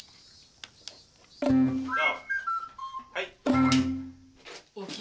はい！